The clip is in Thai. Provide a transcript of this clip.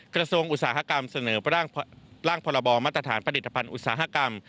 กระทรวงอุตสาหกรรมเสนอร่างพรบมาตรฐานผลิตภัณฑ์อุตสาหกรรม